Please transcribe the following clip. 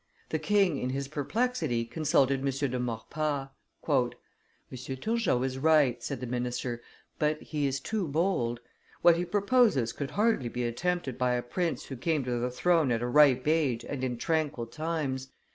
The king in his perplexity consulted M. de Maurepas. "M. Turgot is right," said the minister, "but he is too bold. What he proposes could hardly be attempted by a prince who came to the throne at a ripe age and in tranquil times.